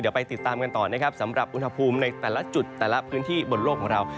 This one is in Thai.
เดี๋ยวไปติดตามกันต่อนะครับสำหรับอุณหภูมิในแต่ละจุดแต่ละพื้นที่บนโลกของเรา